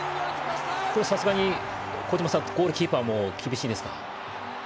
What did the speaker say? これはさすがに、小島さんゴールキーパーも厳しいですか？